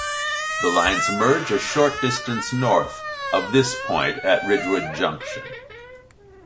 The lines merge a short distance north of this point at Ridgewood Junction.